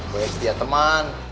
banyak setia teman